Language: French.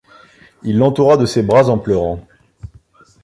Il l’entoura de ses bras en pleurant.